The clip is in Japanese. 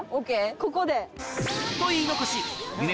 ここで。と言い残しえ？